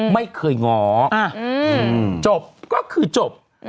ไม่เคยง้อจบก็คือจบ